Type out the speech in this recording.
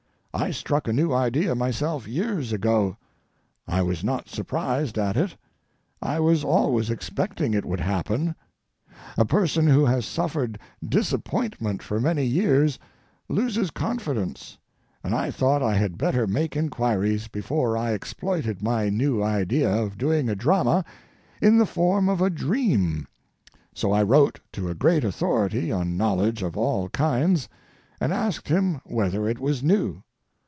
I struck a new idea myself years ago. I was not surprised at it. I was always expecting it would happen. A person who has suffered disappointment for many years loses confidence, and I thought I had better make inquiries before I exploited my new idea of doing a drama in the form of a dream, so I wrote to a great authority on knowledge of all kinds, and asked him whether it was new.